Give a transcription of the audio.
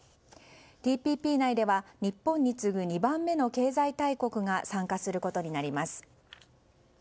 ＴＰＰ内では日本に次ぐ２番目の経済大国が参加することになります。